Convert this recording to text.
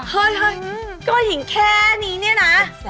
เฮ้ยก็หินแค่นี้นี่นะ